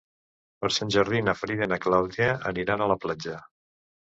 Per Sant Jordi na Frida i na Clàudia aniran a la platja.